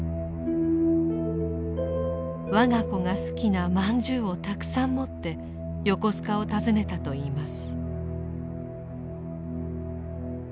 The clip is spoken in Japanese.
我が子が好きなまんじゅうをたくさん持って横須賀を訪ねたといいます。